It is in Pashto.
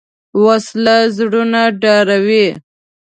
وسله زړونه ډاروي